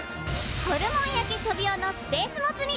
ホルモン焼きトビオのスペースモツ煮！